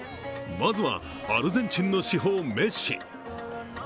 まずはアルゼンチンの至宝・メッシ。